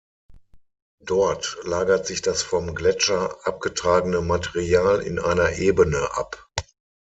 Dort lagert sich das vom Gletscher abgetragene Material in einer Ebene ab.